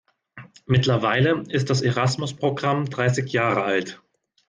Mittlerweile ist das Erasmus-Programm dreißig Jahre alt.